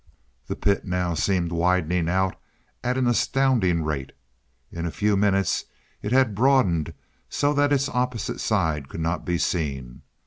The pit now seemed widening out at an astounding rate. In a few minutes it had broadened so that its opposite side could not be seen.